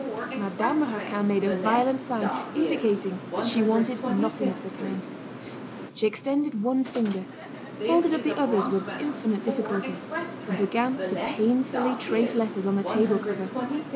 Madame Raquin made a violent sign indicating that she wanted nothing of the kind. She extended one finger, folded up the others with infinite difficulty, and began to painfully trace letters on the table cover.